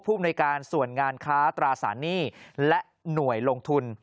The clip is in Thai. ภูมิในการส่วนงานค้าตราสารหนี้และหน่วยลงทุน